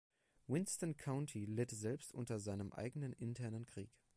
Winston County litt selbst unter seinem eigenen internen Krieg.